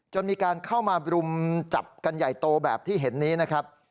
มีการเข้ามารุมจับกันใหญ่โตแบบที่เห็นนี้นะครับ